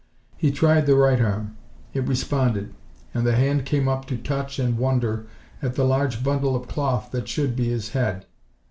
He tried the right arm. It responded, and the hand came up to touch and wonder at the large bundle of cloth that should be his head.